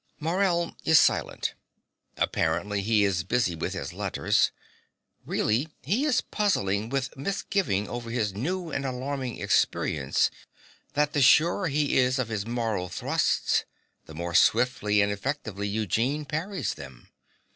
(Morell is silent. Apparently he is busy with his letters: really he is puzzling with misgiving over his new and alarming experience that the surer he is of his moral thrusts, the more swiftly and effectively Eugene parries them.